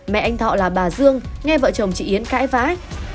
mẹ anh thọ là bà dương nghe vợ chồng chị yến cãi vãi